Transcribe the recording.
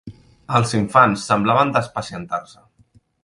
...els infants semblaven despacientar-se